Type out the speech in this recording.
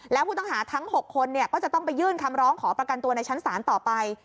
แล้วผู้ต้องหาทั้ง๖คนก็จะต้องไปยื่นคำร้องขอประกันตัวในชั้นศาลต่อไป